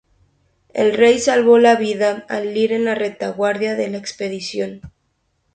El rey salvó la vida al ir en la retaguardia de la expedición.